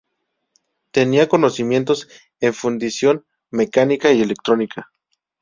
Tenía conocimientos en fundición, mecánica y electrónica.